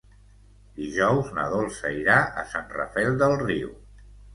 Dijous na Dolça irà a Sant Rafel del Riu.